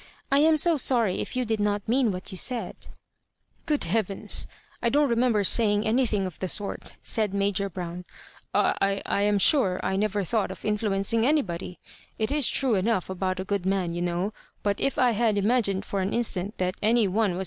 I am so sorry if you did not mean what you said—" " Good heavens I I don't remember saying any thing of the sort," said Major Brown. '* I — I apa sure I never thought of influencing anybody. It is true enough about a good man, you know; but if I had imagined for an instant that any one was